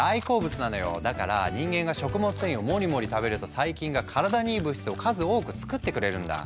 だから人間が食物繊維をモリモリ食べると細菌が体にいい物質を数多く作ってくれるんだ。